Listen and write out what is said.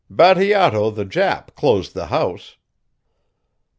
"Bateato, the Jap, closed the house."